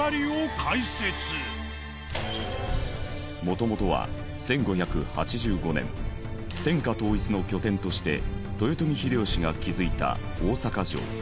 元々は１５８５年天下統一の拠点として豊臣秀吉が築いた大坂城。